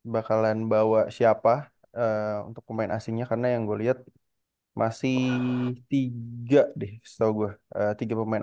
bakalan bawa siapa untuk pemain asingnya karena yang gue liat masih tiga deh setahu gue tiga pemain